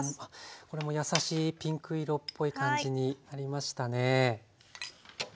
これも優しいピンク色っぽい感じになりましたね。